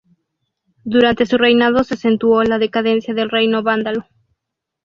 Durante su reinado se acentuó la decadencia del Reino Vándalo.